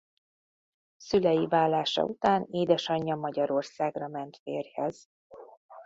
Szülei válása után édesanyja Magyarországra ment férjhez.